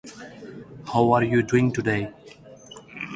Picton hurriedly massed his defenders by using the ridgetop road.